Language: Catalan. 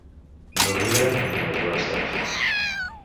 No mira ni els whatsapps.